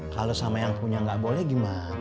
kalau sama yang punya nggak boleh gimana